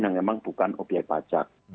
yang memang bukan obyek pajak